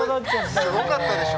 すごかったでしょ？